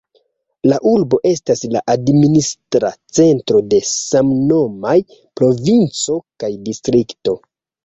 La urbo estas la administra centro de samnomaj provinco kaj distrikto.